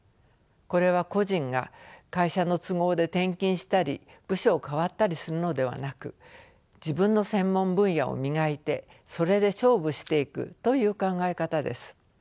これは個人が会社の都合で転勤したり部署を替わったりするのではなく自分の専門分野を磨いてそれで勝負していくという考え方です。